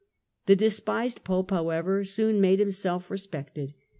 Policy of The despised Pope, however, soon made himself re spected.